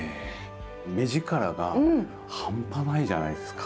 目力が半端ないじゃないですか。